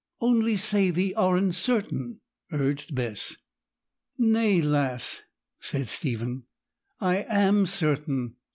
'Only say thee aren't certain,' urged Bess. 'Nay, lass,' said Stephen, 'I am certain.